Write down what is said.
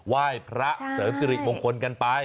ไหว้พระเสริมสิริมงคลกันไป